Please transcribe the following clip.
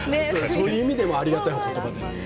そういう意味でもありがたいお言葉でしたね。